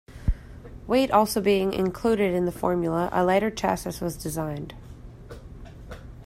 Weight also being included in the formula, a lighter chassis was designed.